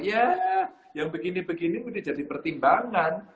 ya yang begini begini jadi pertimbangan